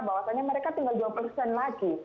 bahwasannya mereka tinggal jawab pesan lagi